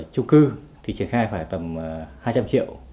trung cư thì triển khai phải tầm hai trăm linh triệu